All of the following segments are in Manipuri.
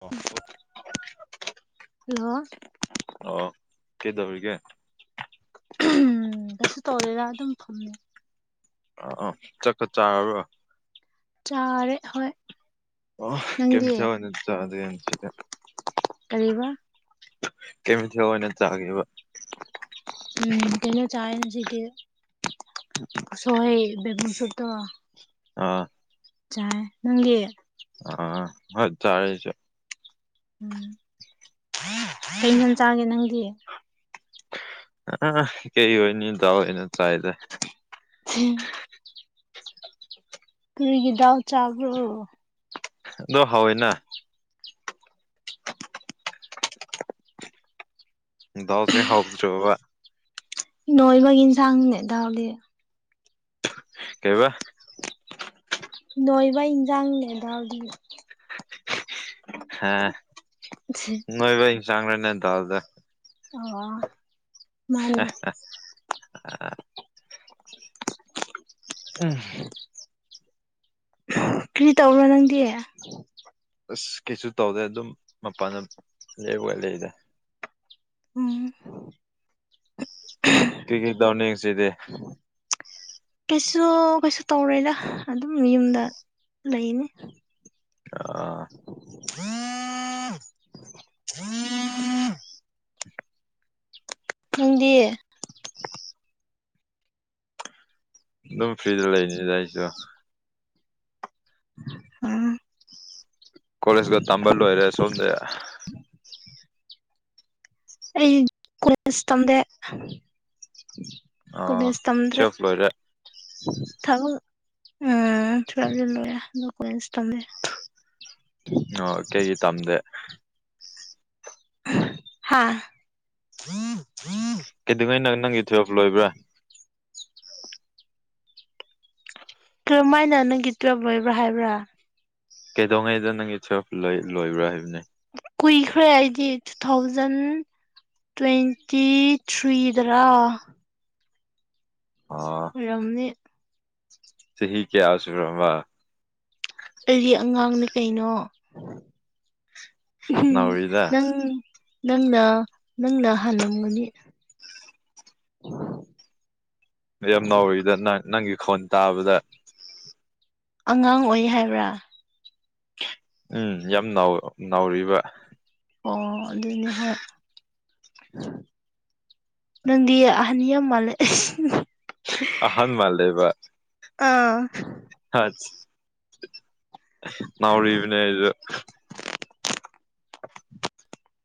ꯑꯣ [inaudible] ꯍꯜꯂꯣ ꯑꯣ ꯀꯩꯗꯧꯔꯤꯒꯦ ꯀꯩꯁꯨ ꯇꯧꯗꯦꯗ ꯑꯗꯨꯝ ꯐꯝꯃꯤ ꯑꯣ ꯆꯥꯛꯇꯤ ꯆꯥꯔꯕꯣ ꯆꯥꯔꯦ ꯍꯣꯏ ꯑꯣ ꯀꯩ ꯅꯪꯗꯤ ꯃꯊꯦꯜ ꯑꯣꯢꯅ ꯆꯥꯔꯒꯦ ꯉꯁꯤꯗꯤ ꯀꯔꯤꯕ ꯀꯩ ꯃꯥꯊꯦꯜ ꯑꯣꯏꯅ ꯆꯥꯒꯦꯕ ꯎꯝ ꯀꯩꯅꯣ ꯆꯥꯏꯌꯦ ꯉꯁꯤꯗꯤ ꯁꯍꯦ ꯦꯃ ꯁꯗ [inaudible] ꯑꯥ ꯆꯥꯏ ꯅꯪꯗꯤ ꯑꯥ ꯍꯣꯏ ꯆꯥꯔꯦ ꯑꯩꯁꯨ ꯎꯝ ꯀꯩ ꯌꯦꯟꯁꯥꯡ ꯆꯥꯒꯦ ꯅꯪꯗꯤ ꯑꯥ ꯀꯩ ꯑꯣꯏꯅꯤ ꯗꯥꯜ ꯑꯣꯏꯅ ꯆꯥꯢꯗ ꯎꯝ [inaudible] ꯀꯔꯤꯒꯤ ꯗꯥꯜ ꯆꯥꯕ꯭ꯔꯣ ꯑꯗꯣ ꯍꯥꯢꯋꯤꯅ ꯗꯥꯥꯜꯁꯦ ꯍꯥꯎꯗ꯭ꯔꯣꯕ ꯅꯣꯢꯕꯒꯤ ꯌꯦꯟꯁꯥꯡꯅꯦ ꯗꯥꯜꯗꯤ ꯀꯩꯕꯥ ꯅꯣꯏꯕꯩ ꯏꯟꯖꯥꯡꯅꯦ ꯗꯥꯜꯗꯤ ꯍꯥ ꯅꯣꯏꯕꯩ ꯌꯦꯟꯁꯥꯡꯂꯅꯦ ꯗꯥꯜꯁꯤ ꯑꯣ ꯃꯥꯅꯦ ꯑꯥ ꯑꯝ ꯀꯔꯤ ꯇꯧꯕ꯭ꯔꯥ ꯅꯪꯗꯤ ꯑꯁ ꯀꯩꯁꯨ ꯇꯧꯗꯦ ꯑꯗꯨꯝ ꯃꯄꯥꯟꯗ ꯂꯩ ꯋꯥꯂꯗ [inaudible] ꯎꯝ ꯀꯩ ꯀꯩ ꯇꯧꯅꯤ ꯉꯁꯤꯗꯤ ꯀꯩꯁꯨ ꯀꯩꯁꯨ ꯇꯧꯔ‌ꯣꯏꯗ ꯑꯗꯨꯝ ꯌꯨꯝꯗ ꯂꯩꯅꯤ ꯑꯥ ꯅꯪꯗꯤ ꯑꯗꯨꯝ ꯐ꯭ꯔꯤꯗ ꯂꯩꯅꯤ ꯗ ꯑꯩꯁꯨ ꯎꯝ ꯀꯣꯂꯦꯖꯀ ꯇꯝꯕ ꯂꯣꯏꯔꯦ ꯁꯣꯝꯗ ꯑꯩ ꯀ‌ꯣ ꯂ‌ꯦꯖ ꯇꯝꯗ‌ꯦ ꯑꯥ ꯀ‌ꯣꯂ‌ꯦꯖꯁ ꯇꯝꯗ꯭ꯔꯦ ꯇꯨꯌꯦꯜꯐ ꯂꯣꯏꯔꯦ ꯊꯕꯛ ꯎꯝ ꯇꯨꯑꯦꯚꯇꯤ ꯂ‌ꯣꯏꯔ‌ꯦ ꯑꯗ‌ꯣ ꯀꯣꯂ‌ꯦꯖꯁꯇꯤ ꯇꯝꯗ‌ꯦ ꯑꯣ ꯀꯩꯒꯤ ꯇꯝꯗꯦ ꯍꯥ ꯀꯩꯗꯧꯉꯩ ꯅ‌ꯣ ꯅꯪꯒꯤ ꯇꯨꯑ‌ꯦꯚ ꯂꯣꯏꯕꯔꯥ ꯀꯔꯝꯃꯥꯏ ꯅ ꯅꯪꯒꯤ ꯇꯨꯋꯦꯜꯕ ꯂ‌ꯣꯏꯕ꯭ꯔꯥ ꯍꯥꯏꯕ꯭ꯔꯥ ꯀꯩꯗꯧꯉꯩꯗ ꯅꯪꯒꯤ ꯇ‌ꯨꯑꯦꯚ ꯂꯣꯏꯕ꯭ꯔꯥ ꯍꯥꯏꯕꯅꯤ ꯀꯨꯏꯈ꯭ꯔꯦ ꯑꯩꯗꯤ ꯇꯨ ꯊꯥꯎꯖꯟ ꯇ꯭ꯋꯦꯟꯇꯤ ꯊ꯭ꯔꯤꯗ ꯔꯥ ꯑꯣ ꯑꯣꯏꯔꯝꯅꯤ ꯆꯍꯤ ꯀꯌꯥ ꯁꯨꯔꯕ ꯑꯩꯗꯤ ꯑꯉꯥꯡꯅꯦ ꯀꯩꯅꯣ ꯅꯥꯎꯔꯤꯗ ꯅꯪ ꯅꯪꯅ ꯅꯪꯅ ꯍꯥꯜꯂꯝꯒꯅꯤ ꯌꯥꯝ ꯅꯧꯔꯤꯗ ꯅꯪ ꯅꯪꯒꯤ ꯈꯣꯟ ꯇꯥꯕꯗ ꯑꯉꯥꯡ ꯑꯣꯏ ꯍꯥꯏꯕ꯭ꯔꯥ ꯎꯝ ꯌꯥꯝ ꯅꯥꯎꯔꯤꯕ ꯑꯣ ꯑꯗꯨꯅꯦ ꯍ‌ꯣꯏ ꯅꯪꯗꯤ ꯑꯍꯟ ꯌꯥꯝꯃꯥꯜꯂꯦ ꯑꯍꯟ ꯃꯥꯟꯂ‌‌ꯦ ꯕ ꯑꯥ ꯑ ꯅꯪꯔꯤꯕꯅꯦ ꯑꯩꯁꯨ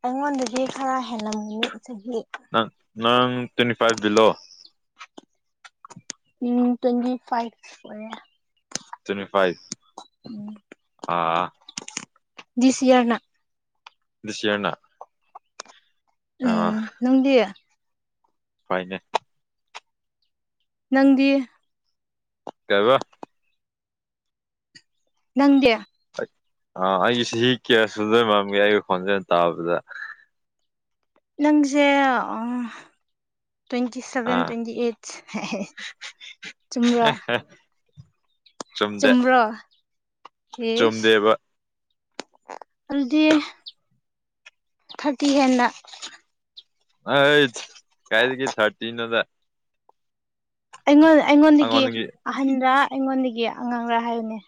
ꯑꯩꯉꯣꯟꯗꯗꯤ ꯈꯔ ꯍꯦꯜꯂꯝꯃꯤ ꯆꯍꯤ ꯅꯪ ꯅꯪ twenty five below um twenty ꯐꯥꯏꯚꯦ ꯑꯣꯏꯔ‌ꯦ ꯇ꯭ꯋꯦꯟꯇꯤ ꯐꯥꯏꯚ ꯎꯝ ꯑꯥ ꯗꯤꯁ ꯌꯔꯅ ꯗꯤꯁ ꯌꯔꯅ ꯑꯥ ꯎꯝ ꯅꯪꯗꯤ ꯍꯣꯏꯅꯦ ꯅꯪꯗꯤ ꯀꯩ ꯕ ꯅꯪꯗꯤ ꯑ ꯑꯩꯒꯤ ꯆꯍꯤ ꯀꯌꯥ ꯁꯨꯗꯣꯏ ꯃꯥꯟꯒꯦ ꯑꯩꯒꯤ ꯈꯣꯟꯖꯦꯜ ꯇꯥꯕꯗ ꯅꯪꯁꯦ ꯇ꯭ꯋꯦꯟꯇꯤ ꯁꯚꯦꯟ ꯑꯥ ꯇ꯭ꯋꯦꯟꯇꯤ ꯑꯩꯠ ꯆꯨꯝ꯭ꯕꯔꯥ ꯆꯨꯝꯗꯦ ꯏꯁ ꯆꯨꯝꯗꯦꯕ ꯑꯗꯨꯗꯤ ꯊꯥꯔꯇꯤ ꯍ‌ꯦꯟꯅ ꯑꯩ ꯀꯥꯏꯗꯒꯤ ꯊꯥꯔꯇꯤꯅ‌ꯣꯗ ꯑꯩꯉꯣꯟ ꯑꯩꯉꯣꯟꯗꯒꯤ ꯑꯍꯟꯔ ꯑꯩꯉꯣꯟꯗꯒꯤ ꯑꯉꯥꯡꯔ ꯍꯥꯏꯌꯨꯅ‌ꯦ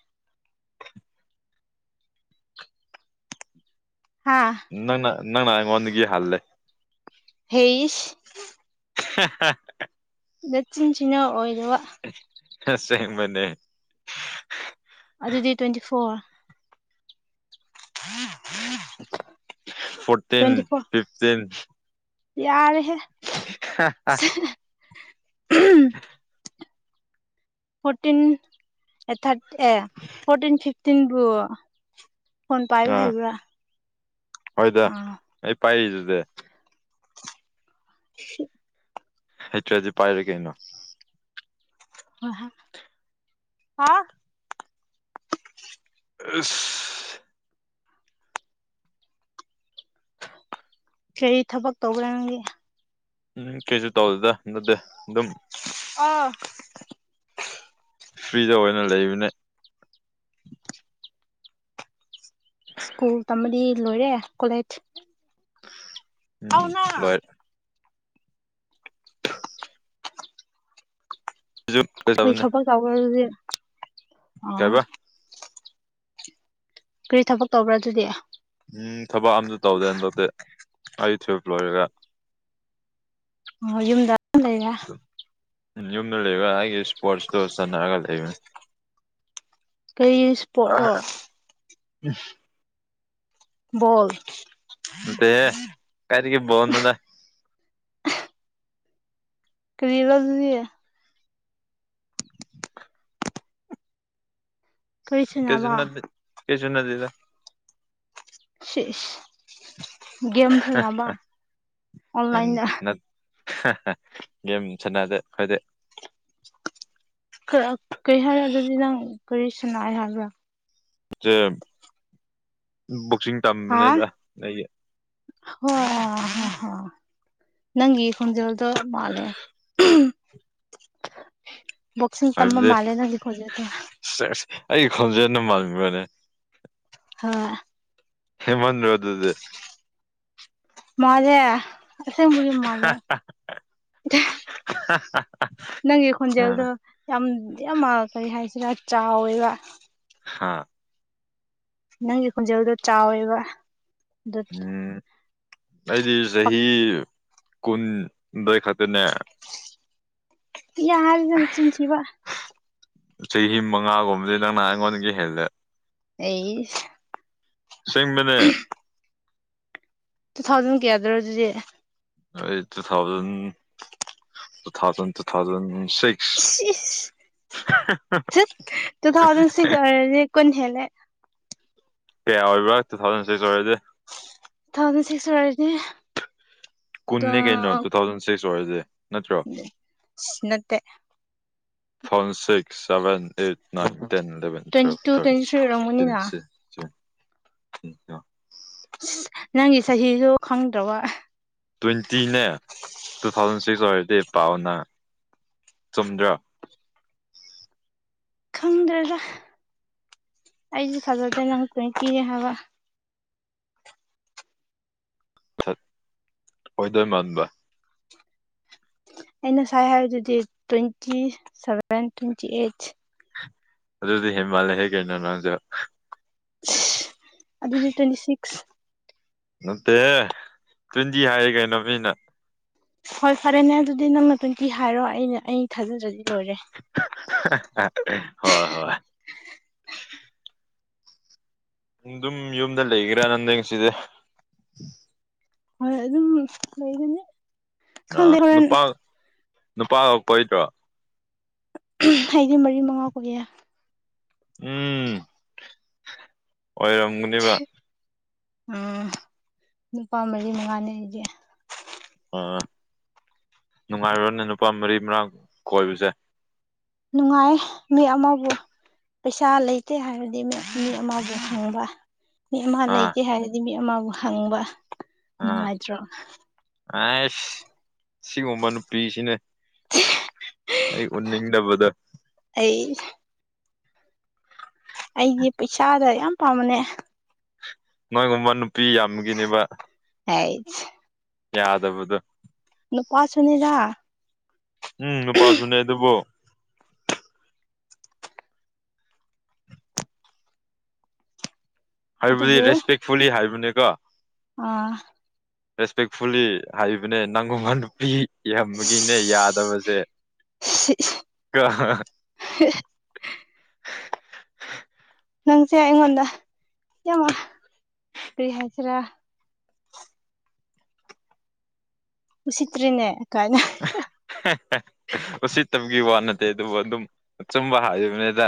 ꯍꯥꯥ ꯅꯪꯅ ꯅꯪꯅ ꯑꯩꯉꯣꯟꯗꯒꯤ ꯍꯜꯂꯦ ꯍꯩꯁ ꯍ‌ꯦ ꯍ‌ꯦ ꯅꯆꯤꯟ ꯆꯤꯅ ꯑꯣꯏꯗꯕ ꯑꯁꯦꯡꯕꯅ‌ꯦ ꯑꯗꯨꯗꯤ twenty four [unintelligible] fourteen twenty four fifteen ꯌꯥꯔꯦꯍꯦ ꯍꯥ ꯍꯥ ꯐꯣꯔꯇꯤꯟ ꯑꯦ ꯊꯥꯔꯇ ꯑꯦ ꯐꯣꯔꯇꯤꯟ ꯐꯤꯐꯇꯤꯟꯕꯨ ꯐꯣꯟ ꯄꯥꯏꯕ ꯑꯥ ꯍꯩꯕ꯭ꯔꯥ ꯍꯣꯏꯗ ꯑꯥ ꯑꯩ ꯄꯥꯏꯔꯤꯗꯨꯗꯤ [unintelligible] ꯍꯩꯇ‍꯭ꯔꯗꯤ ꯄꯥꯏꯔ‌ꯣꯏ ꯀꯩꯅꯣ ꯑ ꯑ ꯑꯁ ꯀꯔꯤ ꯊꯕꯛ ꯇꯧꯕ꯭ꯔꯥ ꯅꯪꯗꯤ ꯀꯩꯁꯨ ꯇꯧꯗꯦꯗ ꯅꯠꯇꯦ ꯑꯗꯨꯝ ꯑ ꯐ꯭ꯔꯤꯗ ꯑꯣꯏꯅ ꯂꯩꯕꯅꯦ ꯁ꯭ꯀꯨꯜ ꯇꯝꯕꯗꯤ ꯂꯣꯏꯔꯦ ꯀꯣꯂꯦꯖ ꯎꯝ ꯑꯧꯅ ꯂꯣꯏ [unintelligible] [unintelligible] ꯍꯣꯏ ꯊꯕꯛ ꯇꯧꯕ꯭ꯔ ꯑꯗꯨꯗꯤ ꯀꯩ ꯑꯣ ꯍꯥꯏꯕ ꯀꯔꯤ ꯊꯕꯛ ꯇꯧꯕ꯭ꯔꯥ ꯑꯗꯨꯗꯤ ꯎꯝ ꯊꯕꯛ ꯑꯝꯇ ꯇꯧꯗꯦ ꯑꯗꯧꯇꯦ ꯑꯩ ꯇꯨꯋꯜꯞ ꯂꯣꯏꯔꯒ ꯑꯣ ꯌꯨꯝꯗ ꯑꯗꯨꯝ ꯂꯩꯔ‌ꯦ ꯎ ꯌꯨꯝꯗ ꯂꯩꯕꯒ ꯑꯩꯒꯤ ꯏꯁꯄꯣꯔꯠꯁꯇꯣ ꯆꯥꯟꯅꯔꯒ ꯂꯩꯕꯅꯤ ꯀꯔꯤ ꯏꯁꯄꯣꯔꯠꯔꯣ [unintelligible] ꯕ‌ꯣꯜ ꯅꯠꯇꯦ ꯍ‌ꯦ ꯀꯥꯏꯗꯒꯤ ꯕ‌ꯣꯜꯅ‌ꯣꯗ ꯀꯔꯤꯔ ꯑꯗꯨꯗꯤ ꯀꯔꯤ ꯀꯩꯁꯨ ꯁꯥꯟꯅꯕ ꯅꯠꯇ‌ꯦ ꯀꯩꯁꯨ ꯅꯠꯇ‌ꯦꯗ ꯁꯤꯁ ꯒꯦꯝ ꯁꯥꯟꯅꯕ ꯑꯣꯟꯂꯥꯏꯟꯗ ꯒꯦꯝ ꯁꯥꯟꯅꯗꯦ ꯈꯣꯏꯗꯤ ꯈꯔ ꯀꯩ ꯍꯥꯏꯔꯛ ꯑꯗꯨꯗꯤ ꯅꯪ ꯀꯔꯤ ꯁꯅꯥꯏ ꯍꯥꯏꯕ꯭ꯔꯥ ꯖꯤꯝ ꯕꯣꯛꯁꯤꯡ ꯇꯝꯕꯅꯦꯗ ꯑꯩꯒꯤ ꯋꯥ ꯍ ꯅꯪꯒꯤ ꯈꯣꯟꯖꯦꯜꯗꯣ ꯃꯥꯜꯂꯦ ꯕꯣꯛꯁꯤꯡ ꯇꯝꯕ ꯃꯥꯂꯦ ꯅꯪꯒꯤ ꯈꯣꯟꯖ‌ꯦꯜꯗ‌ꯣ ꯁ‌ꯦꯁ ꯑꯩ ꯈꯣꯟꯖꯦꯅꯗ‌ꯣ ꯃꯥꯟꯕꯔꯅꯦ ꯍ‌ꯣꯏ ꯍꯦꯃꯟꯗ꯭ꯔ‌ꯣ ꯑꯗꯨꯗꯤ ꯃꯥꯜꯂ‌ꯦ ꯑꯁ‌ꯦꯡꯕꯒꯤ ꯍꯥ ꯍꯥ ꯑꯍꯥ ꯍꯥ ꯅꯪꯒꯤ ꯈꯣꯟꯖꯦꯜꯗꯣ ꯌꯥꯝ ꯌꯥꯝ ꯀꯔꯤ ꯍꯥꯏꯁꯤꯔꯥ ꯆꯥꯎꯋꯦꯕ ꯍꯥꯥ ꯅꯪꯒꯤ ꯈꯣꯟꯖꯦꯜꯗꯣ ꯆꯥꯎꯋꯦꯕ [unintelligible] ꯎꯝ ꯑꯩꯗꯤ ꯆꯍꯤ ꯀꯨꯟꯗꯩ ꯈꯛꯇꯅꯦ ꯌꯥꯔꯦꯗ ꯅꯆꯤꯟ ꯊꯤꯕ ꯆꯍꯤ ꯃꯉꯥꯒꯨꯝꯕꯗꯤ ꯅꯪꯅ ꯑꯩꯉꯣꯟꯗꯒꯤ ꯍꯦꯜꯂꯦ ꯑꯩꯁ ꯑꯁꯦꯡꯕꯅꯦ ꯇꯨ ꯊꯥꯎꯖꯟ ꯀꯌꯥꯗꯔꯣ ꯑꯗꯨꯗꯤ ꯑꯩ two thousand two thousand two thousand ꯁꯤꯛ ꯁꯤ ꯏꯁ ꯊꯨꯠ ꯇꯨ ꯊꯥꯎꯖꯟ ꯁꯤꯛꯁ ꯑꯣꯏꯔꯗꯤ ꯀꯨꯟ ꯍꯦꯜꯂꯦ ꯀꯌꯥ ꯑꯣꯏꯕ꯭ꯔꯥ ꯇꯨ ꯊꯥꯎꯖꯟ ꯁꯤꯛꯁ ꯑꯣꯏꯔꯗꯤ ꯇꯨ ꯊꯥꯎꯖꯟ ꯁꯤꯛꯁ ꯑꯣꯏꯔꯗꯤ ꯀꯨꯟꯅꯦ ꯀꯩꯅꯣ ꯇꯨ ꯊꯥꯎꯖꯟ ꯁꯤꯛꯁ ꯑꯣꯏꯔꯗꯤ ꯅꯠꯇ꯭ꯔꯣ ꯅꯠꯇꯦ two thousand six seven eight nine ten eleven twenty twelve two twenty three ꯑꯣꯏꯔꯝꯒꯅꯤꯅ ꯊꯥꯔꯇꯤꯟ [unintelligible] ꯏꯁ ꯅꯪꯒꯤ ꯆꯍꯤꯖꯨ ꯈꯪꯗ꯭ꯔꯕ ꯇꯣꯏꯟꯇꯤꯅꯦ ꯇꯨ ꯊꯥꯎꯖꯟ ꯁꯤꯛꯁ ꯑꯣꯏꯔꯗꯤ ꯄꯥꯎꯑꯣꯅ ꯆꯨꯝꯗ꯭ꯔꯣ ꯈꯪꯗ꯭ꯔꯦꯗ ꯑꯩꯗꯤ ꯊꯖꯗꯦ ꯅꯪ ꯇꯣꯏꯟꯇꯤꯅꯦ ꯍꯥꯏꯕ [unintelligible] ꯑꯣꯏꯗꯣꯏ ꯃꯥꯟꯕ ꯑꯩ ꯅꯁꯥꯏ ꯍꯥꯏꯕꯗꯨꯗꯤ ꯇꯣꯏꯟꯇꯤ ꯁꯚꯦꯟ ꯇꯣꯏꯟꯇꯤ ꯑꯦꯠ ꯑꯗꯨꯗꯤ ꯍꯦꯟꯃꯜꯂꯦꯍꯦꯛ ꯀꯩꯅꯣ ꯅꯪꯖꯨ ꯁꯤ ꯑꯗꯨꯗꯤ ꯇꯣꯏꯟꯇꯤ ꯁꯤꯛꯁ ꯅꯠꯇꯦ ꯇ꯭ꯋꯦꯟꯇꯤ ꯍꯥꯏꯌꯦ ꯀꯩꯅꯣ ꯃꯤꯅ ꯍꯣꯏ ꯐꯔꯦꯅꯦ ꯑꯗꯨꯗꯤ ꯅꯪꯅ ꯇꯋꯦꯟꯇꯤ ꯍꯥꯏꯔꯣ ꯑꯩꯅ ꯑꯩ ꯊꯥꯖꯗꯔ꯭ꯗꯤ ꯂꯣꯏꯔꯦ ꯍꯣꯏ ꯍꯣꯏ ꯗꯨꯝ ꯌꯨꯝꯗ ꯂꯩꯒꯦꯔꯥ ꯅꯪ ꯁꯤꯗꯥ ꯍꯣꯏ ꯑꯗꯨꯝ ꯑꯗꯨꯝ ꯂꯩꯩꯕꯅꯤ ꯑ ꯅꯨꯄꯥ ꯅꯨꯄꯥꯒ ꯀꯣꯏꯗ꯭ꯔꯣ ꯑꯩꯗꯤ ꯃꯔꯤ ꯃꯉꯥ ꯀꯣꯏꯌꯦ ꯎꯝ ꯑꯣꯏꯔꯝꯒꯅꯦꯕ ꯎꯝ ꯅꯨꯄꯥ ꯃꯔꯤ ꯃꯉꯥꯅꯦ ꯑꯩꯗꯤ ꯑꯥ ꯅꯨꯡꯉꯥꯏꯔꯣꯅꯦ ꯅꯨꯄꯥ ꯃꯔꯤ ꯃꯔꯥꯡ ꯀꯣꯏꯕꯁꯦ ꯅꯨꯡꯉꯥꯏꯌꯦ ꯃꯤ ꯑꯃꯥꯕꯨ ꯄꯩꯁꯥ ꯂꯩꯇꯦ ꯍꯥꯏꯔꯗꯤ ꯃꯤ ꯃꯤ ꯑꯃꯕꯨ ꯍꯡꯕ ꯃꯤ ꯑꯃ ꯑꯥ ꯂꯩꯇꯦ ꯍꯥꯏꯔꯗꯤ ꯃꯤ ꯑꯃꯕꯨ ꯍꯪꯕ ꯅꯨꯡꯉꯥꯏꯇ꯭ꯔꯣ ꯑꯥꯏꯁ ꯁꯤꯒꯨꯝꯕ ꯅꯨꯄꯤꯁꯤꯅꯦ ꯑꯩ ꯎꯅꯤꯗꯕꯗꯣ ꯑꯩ ꯑꯩꯗꯤ ꯄꯩꯁꯥꯒ ꯌꯥꯝ ꯄꯥꯝꯕꯅꯦ ꯅꯣꯏꯒꯨꯝꯕ ꯅꯨꯄꯤ ꯌꯥꯝꯕꯒꯤꯅꯦꯕ ꯍꯥꯏꯠ ꯌꯥꯎꯗꯕꯗꯣ ꯅꯨꯄꯥꯁꯨꯅꯤꯗꯥ ꯎꯝ ꯅꯨꯄꯥꯁꯨꯅꯦ ꯑꯗꯨꯕꯨ ꯍꯥꯏꯕꯗꯤ ꯑꯗꯨꯕꯨ ꯔꯦꯁꯄꯦꯛꯐꯨꯜꯂꯤ ꯍꯥꯏꯕꯅꯤꯒꯣ ꯑꯥ ꯔꯦꯁꯄꯦꯛꯐꯨꯜꯂꯤ ꯍꯥꯏꯕꯅꯦ ꯅꯪꯒꯨꯝꯕ ꯅꯨꯄꯤ ꯌꯥꯝꯕꯒꯤꯅꯦ ꯌꯥꯗꯕꯁꯦ ꯀꯣ [inaudible] ꯅꯪꯁꯦ ꯑꯩꯉꯣꯟꯗ ꯌꯥꯝ ꯀꯔꯤ ꯍꯥꯏꯁꯤꯔꯥ ꯎꯁꯤꯠꯇ꯭ꯔꯤꯅꯦ ꯀꯥꯏꯅ ꯎꯁꯤꯠꯇꯕꯒꯤ ꯋꯥ ꯅꯠꯇꯦ ꯑꯗꯨꯕꯨ ꯑꯗꯨꯝ ꯑꯆꯨꯝꯕ ꯍꯥꯏꯕꯅꯤꯗ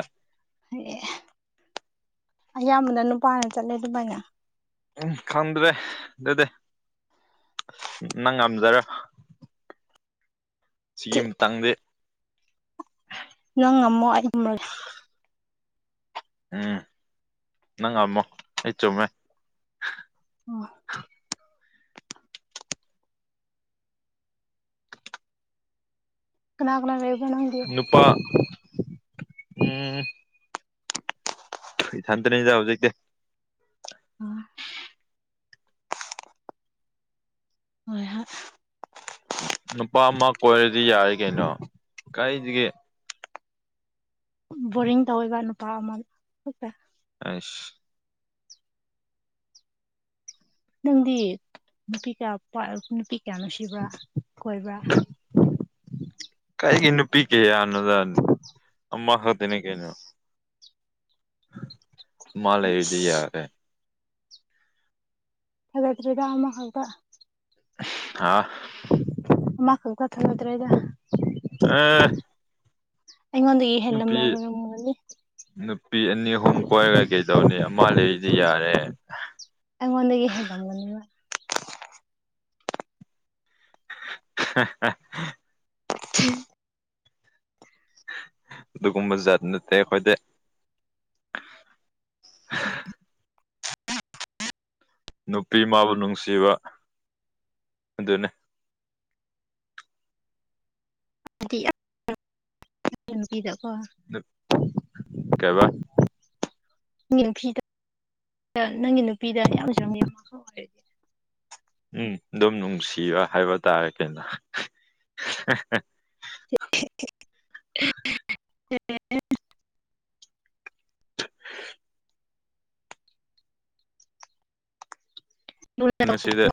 ꯑꯌꯥꯝꯕꯅ ꯅꯨꯄꯥꯅ ꯆꯠꯂꯦ ꯑꯗꯨꯃꯥꯏꯅ ꯎꯝ ꯈꯪꯗ꯭ꯔꯦ ꯑꯗꯨꯗꯤ ꯅꯪ ꯉꯝꯖꯔ‌ꯣ ꯁꯤꯒꯤ ꯃꯇꯥꯡꯗꯤ ꯅꯪ ꯉꯝꯃꯣ ꯑꯩ ꯎꯝ ꯅꯪ ꯉꯝꯃ‌ꯣ ꯑꯩ ꯆꯨꯝꯃꯦ ꯑꯣ ꯀꯅꯥ ꯀꯅꯥ ꯂꯩ ꯅꯨꯄꯥ ꯎꯝ ꯏ ꯊꯟꯇꯅꯤꯗ ꯍꯧꯖꯤꯛꯦ ꯍꯣꯏ ꯍꯣꯏ ꯅꯨꯄꯥ ꯑꯃ ꯀꯣꯏꯔꯗꯤ ꯌꯥꯔ‌ꯦ ꯀꯩꯅꯣ ꯀꯥꯏꯗꯒꯤ ꯕꯣꯔꯤꯡ ꯇꯧꯋ‌ꯦꯕ ꯅꯨꯄꯥ ꯑꯃ ꯈꯛꯇ ꯑꯁ ꯅꯪꯗꯤ ꯅꯨꯄꯤ ꯀꯌꯥ ꯅꯨꯄꯤ ꯀꯌꯥ ꯅꯨꯡꯁꯤꯕ꯭ꯔꯥ ꯀꯣꯏꯕ꯭ꯔꯥ ꯀꯥꯏꯒꯤ ꯅꯨꯄꯤ ꯀꯌꯥꯅ‌ꯣꯗ ꯑꯃ ꯈꯛꯇꯅ‌ꯦ ꯀꯩꯅꯣ ꯃꯥꯂꯩꯔꯗꯤ ꯏꯁ ꯌꯥꯔꯦ ꯐꯒꯠꯇ꯭ꯔꯦꯗ ꯑꯃ ꯍꯥꯎꯕ ꯑꯥ ꯃꯥ ꯀꯧꯀꯟ ꯊꯅꯗꯔꯦꯗ ꯑꯥ ꯑꯩꯉꯣꯟꯗꯒꯤ ꯍꯦꯜꯂꯨꯝ ꯃꯦꯒꯔ ꯃꯥ ꯒꯝꯒꯅꯤ꯫ ꯅꯨꯄꯤ ꯑꯅꯤ ꯑꯍꯨꯝ ꯀꯣꯏꯔꯒ ꯀꯩꯗꯧꯅꯤ ꯑꯃ ꯂꯩꯔꯤꯗꯤ ꯌꯥꯔꯦ ꯑꯩꯉꯣꯟꯗꯒꯤ ꯍꯦꯜꯂꯝꯒꯅꯤ ꯍꯥ ꯍꯥ [unintelligible] ꯑꯗꯨꯒꯨꯝꯕꯖꯥꯠ ꯅꯠꯇꯦ ꯑꯩꯈꯣꯏꯗꯤ ꯅꯨꯄꯤ ꯃꯥꯕꯨ ꯅꯨꯡꯁꯤꯕ ꯑꯗꯨꯅꯤ [unintelligible] ꯅꯨꯨꯄꯤꯗ ꯀꯣ ꯀꯩꯕ ꯅꯪꯒꯤ ꯅꯨꯄꯤꯗ ꯅꯪꯒꯤ ꯅꯨꯄꯤꯗ ꯑꯌꯥꯝꯅꯁꯨ ꯌꯥꯝ ꯑꯣꯏꯔꯗꯤ ꯎꯝ ꯑꯗꯨꯝ ꯅꯨꯡꯁꯤꯕ ꯍꯥꯏꯕ ꯇꯥꯔꯦ ꯀꯩꯅꯣ [unintelligible] [unintelligible] ꯑꯁꯤꯗ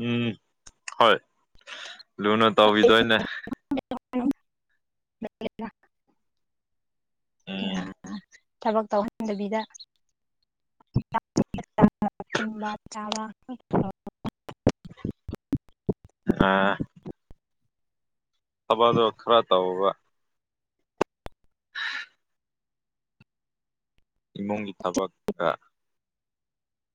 ꯎꯝ ꯍꯣꯏ ꯂꯨꯅ ꯇꯧꯕꯤꯗꯣꯏꯅꯦ ꯑꯣꯏꯔꯗꯤ ꯌꯥ ꯎꯝ ꯊꯕꯛ ꯇꯧ [unintelligible] ꯑꯥ ꯊꯕꯛꯗꯣ ꯈꯔ ꯇꯧꯔꯨꯕ [unintelligible] ꯏꯃꯨꯡꯒꯤ ꯊꯕꯛꯀ